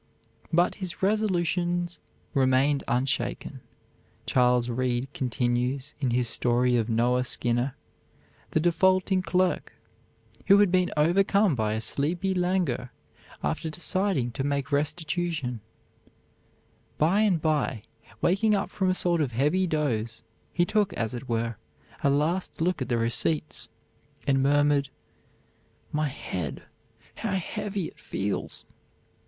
"But his resolutions remained unshaken," Charles Reade continues in his story of Noah Skinner, the defaulting clerk, who had been overcome by a sleepy languor after deciding to make restitution; "by and by, waking up from a sort of heavy doze, he took, as it were, a last look at the receipts, and murmured, 'My head, how heavy it feels!'